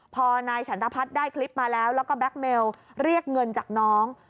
พอนายฉันทพัฒน์ได้คลิปมาแล้วแล้วก็แก๊กเมลเรียกเงินจากน้อง